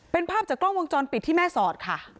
เป็นภาพจากกล้องวงจรปิดที่แม่สอดค่ะ